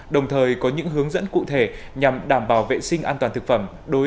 đồng thời có những hướng dẫn cụ thể nhằm đảm bảo vệ sinh an toàn thực phẩm